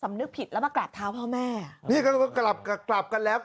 นึกผิดแล้วมากราบเท้าพ่อแม่นี่ก็กลับกลับกันแล้ว